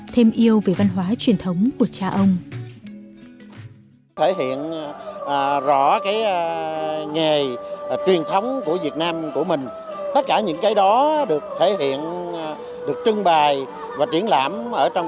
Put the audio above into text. thêm yêu về văn hóa truyền thống của cha ông